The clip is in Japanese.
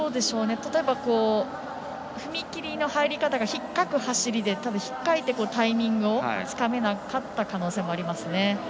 例えば踏み切りの入り方がひっかく走りでたぶんひっかいてタイミングをつかめなかった可能性もありますね。